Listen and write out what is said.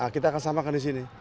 kita akan sampaikan disini